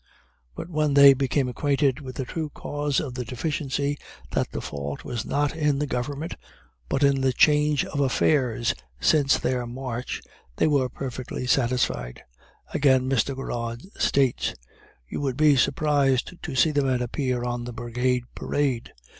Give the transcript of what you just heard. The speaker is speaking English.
But when they became acquainted with the true cause of the deficiency, that the fault was not in the government, but in the change of affairs since their march, they were perfectly satisfied. Again Mr. Garrard states: "You would be surprised to see the men appear on the brigade parade.